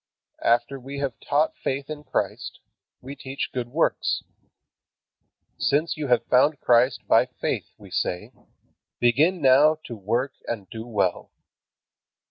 After we have taught faith in Christ, we teach good works. "Since you have found Christ by faith," we say, "begin now to work and do well.